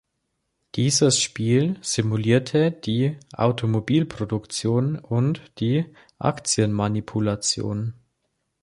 Dieses Spiel simulierte die Automobilproduktion und die Aktienmanipulation.